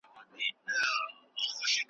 او ټول خوږ ژوند مي ,